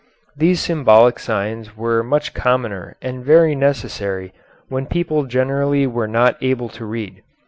These symbolic signs were much commoner and very necessary when people generally were not able to read.